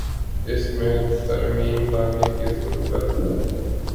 اس میں ترمیم لانے کی ضرورت ہے۔